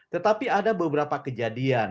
tetapi ada beberapa kejadian